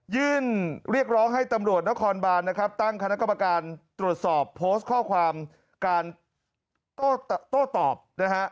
ยื่นเรียกร้องให้ตำรวจนครบานนะครับตั้งคณะกรรมการตรวจสอบโพสต์ข้อความการโต้ตอบนะฮะ